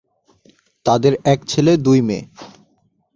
তাদের এক ছেলে, দুই মেয়ে।